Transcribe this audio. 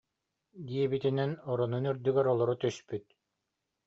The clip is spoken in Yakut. » диэбитинэн оронун үрдүгэр олоро түспүт